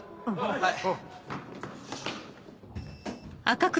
はい。